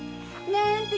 なんて